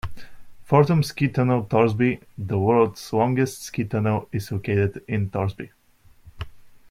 Fortum Ski Tunnel Torsby, the world's longest ski tunnel, is located in Torsby.